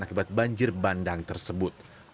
akibat banjir bandang tersebut